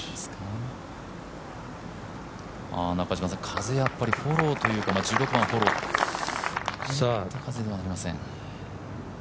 風、やっぱフォローというか１６番フォロー、風がありません。